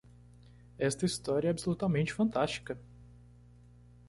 Esta história é absolutamente fantástica!